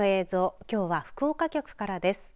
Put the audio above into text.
きょうは福岡局からです。